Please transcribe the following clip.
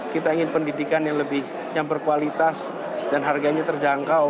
kita ingin pendidikan yang berkualitas dan harganya terjangkau